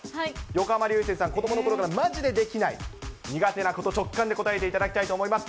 横浜流星さん、子どものころからまじでできない、苦手なこと、直感で答えていただきたいと思います。